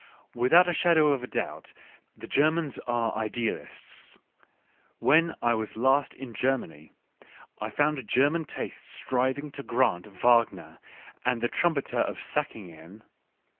Without a shadow of a doubt the Germans are idealists. When I was last in Germany, I found German taste striving to grant * The motto of The Case of Wagner.